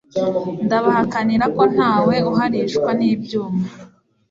ndabahakanira ko ntawe uhalishwa n'ibyuma,